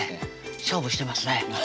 勝負してますね